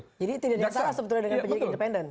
jadi tidak disalah sebetulnya dengan penyidik independen